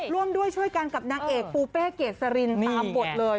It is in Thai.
ร่วมด้วยช่วยกันกับนางเอกปูเป้เกษรินตามบทเลย